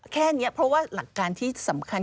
แค่นี้เพราะว่าหลักการที่สำคัญ